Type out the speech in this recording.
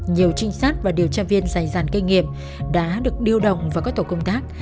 nhiều trinh sát và điều tra viên dài dàn kinh nghiệm đã được điều động vào các tổ công tác